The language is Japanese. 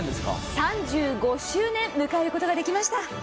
３５周年迎えることができました。